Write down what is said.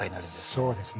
そうですね。